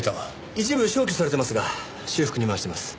一部消去されてますが修復に回してます。